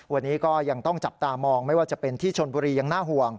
วันนี้ก็ยังต้องจับตามองไม่ว่าจะเป็นที่ชนบุรียังน่าห่วง